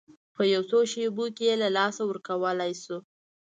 په یو څو شېبو کې یې له لاسه ورکولی شو.